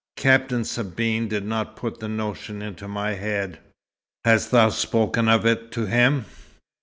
"Captain Sabine did not put the notion into my head." "Hast thou spoken of it to him?"